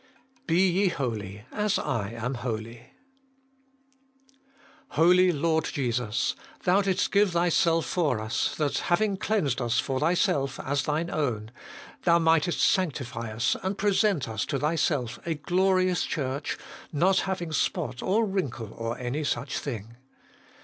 BE YE HOLY, AS I AM HOLY. HOLINESS AND CLEANSING. 217 Holy Lord Jesus ! Thou didst give Thyself for us, that, having cleansed us for Thyself as Thine own, Thou mightest sanctify us and present us to Thyself a glorious Church, not having spot or wrinkle or any such thing.